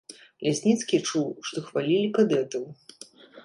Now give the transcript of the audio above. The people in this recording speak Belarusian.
Лясніцкі чуў, што хвалілі кадэтаў.